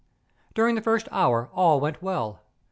During the first hour all went well.